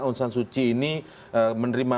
aung san suu kyi ini menerima